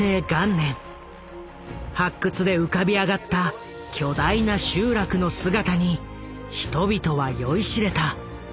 発掘で浮かび上がった巨大な集落の姿に人々は酔いしれた。